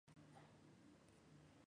Permaneció dos años en el club.